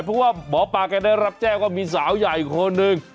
เพราะว่าหมอปลาแกได้รับแจ้งว่ามีสาวใหญ่คนหนึ่ง